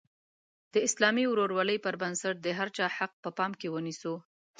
د اسلامي ورورولۍ پر بنسټ د هر چا حق په پام کې ونیسو.